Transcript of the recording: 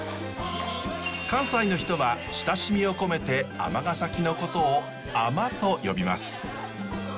関西の人は親しみを込めて尼崎のことをあまと呼びます。